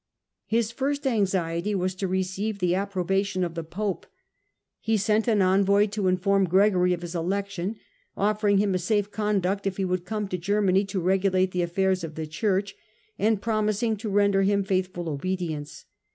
His first anxiety was to receive the approbation of the pope. He sent an envoy to inform Gregory of his election, offering him a safe conduct if he would come to Germany to regulate the affairs of the Church, and promising to render him faithful obedience.